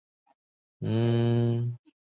这并不影响字义。